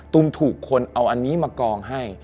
ถูกคนเอาอันนี้มากองให้